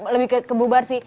lebih ke bubar sih